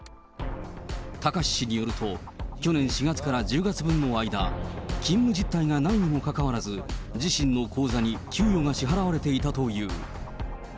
貴志氏によると、去年４月から１０月分の間、勤務実態がないにもかかわらず、自身の口座に給与が支払われていたという。